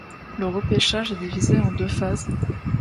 Le repêchage est divisé en deux phases.